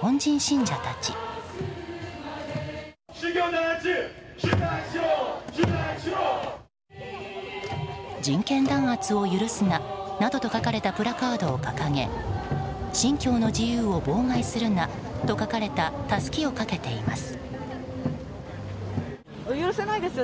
「人権弾圧を許すな」などと書かれたプラカードを掲げ「信教の自由を妨害するな」と書かれたたすきをかけています。